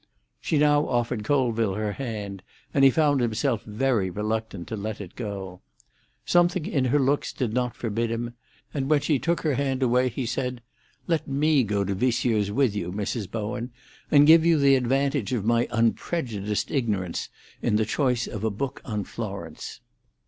She now offered Colville her hand, and he found himself very reluctant to let it go. Something in her looks did not forbid him, and when she took her hand away, he said, "Let me go to Viesseux's with you, Mrs. Bowen, and give you the advantage of my unprejudiced ignorance in the choice of a book on Florence."